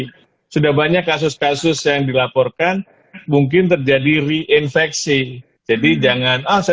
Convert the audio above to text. ini sudah banyak kasus kasus yang dilaporkan mungkin terjadi reinfeksi jadi jangan oh saya